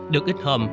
được ít hôm